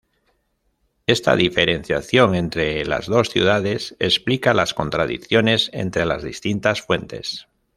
Esta diferenciación entre las dos ciudades explica las contradicciones entre las distintas fuentes.